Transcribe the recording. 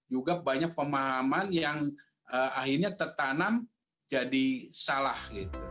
juga banyak pemahaman yang akhirnya tertanam jadi salah